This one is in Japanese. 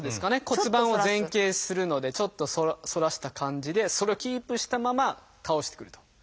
骨盤を前傾するのでちょっと反らした感じでそれをキープしたまま倒してくると。